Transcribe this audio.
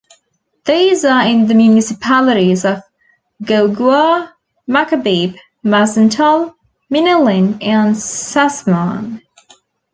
These are in the municipalities of Guagua, Macabebe, Masantol, Minalin, and Sasmuan.